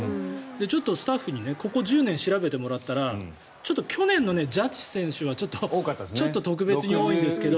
ちょっとスタッフにここ１０年、調べてもらったら去年のジャッジ選手はちょっと特別に多いんですけど。